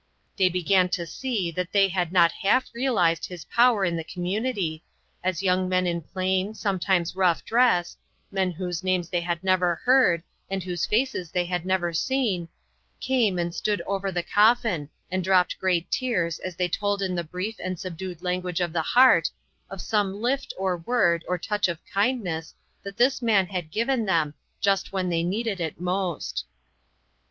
They began to see that they, had not half realized his power in the commu nity, as young men in plain, sometimes rough dress, men whose names they had never heard, and whose faces they had never seen, came and stood over the coffin, and dropped great tears as they told in the brief and subdued language of the heart, of some lift, or word, or touch of kindness, that this man had given them, just when they needed it most.